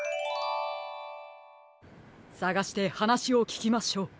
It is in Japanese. さがしてはなしをききましょう。